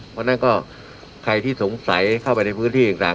เพราะฉะนั้นก็ใครที่สงสัยเข้าไปในพื้นที่ต่าง